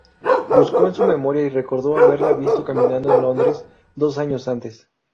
Buscó en su memoria y recordó haberla visto caminando en Londres... ¡dos años antes!